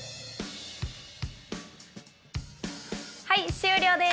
はい終了です。